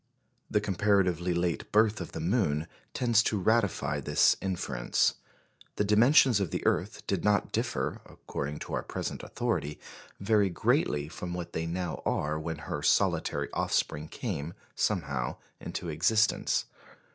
The comparatively late birth of the moon tends to ratify this inference. The dimensions of the earth did not differ (according to our present authority) very greatly from what they now are when her solitary offspring came, somehow, into existence.